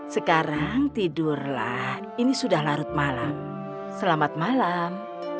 sekarang tidurlah ini sudah larut malam selamat malam